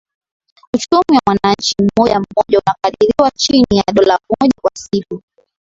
Uchumi wa mwananchi mmoja mmoja unakadiriwa chini ya dola moja kwa siku